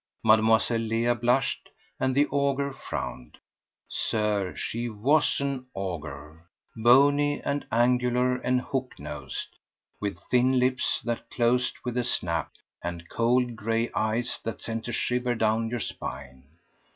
Mademoiselle Leah blushed and the ogre frowned. Sir, she was an ogre!—bony and angular and hook nosed, with thin lips that closed with a snap, and cold grey eyes that sent a shiver down your spine!